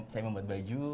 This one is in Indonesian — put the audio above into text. saya membuat baju